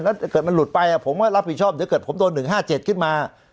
แล้วเกิดมันหลุดไปผมก็รับผิดชอบเดี๋ยวเกิดผมโดน๑๕๗ขึ้นมา